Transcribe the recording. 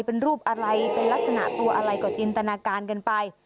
เป็นรูปอะไรเป็นลักษณะตัวอะไรก็จินตนาการกันไป